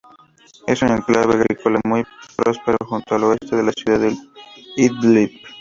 Es un enclave agrícola muy próspero justo al oeste de la ciudad de Idlib.